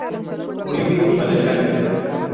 Murió víctima del cáncer.